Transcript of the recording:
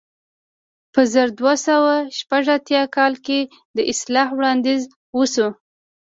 په زر دوه سوه شپږ اتیا کال کې د اصلاح وړاندیز وشو.